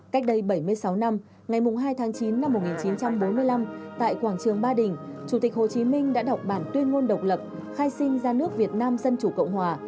cách đây bảy mươi sáu năm ngày hai tháng chín năm một nghìn chín trăm bốn mươi năm tại quảng trường ba đình chủ tịch hồ chí minh đã đọc bản tuyên ngôn độc lập khai sinh ra nước việt nam dân chủ cộng hòa